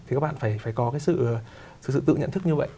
thì các bạn phải có cái sự tự nhận thức như vậy